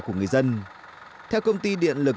của người dân theo công ty điện lực